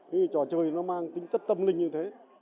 thế thì trò chơi nó mang tính tất tâm linh như thế